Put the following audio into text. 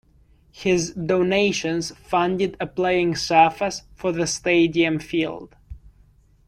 His donation funded a playing surface for the stadium field.